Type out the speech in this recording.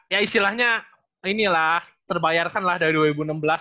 ya istilahnya ini lah terbayarkan lah dari dua ribu enam belas akhirnya dua ribu sembilan belas